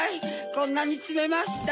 こんなにつめました。